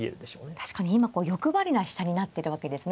確かに今こう欲張りな飛車になってるわけですね。